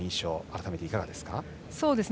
改めていかがですか？